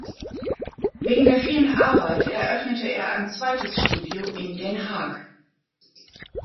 Wegen der vielen Arbeit eröffnete er ein zweites Studio in Den Haag.